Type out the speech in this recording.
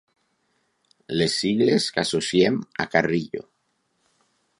Les sigles que associem a Carrillo.